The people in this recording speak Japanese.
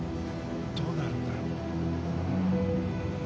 どうなるんだろう。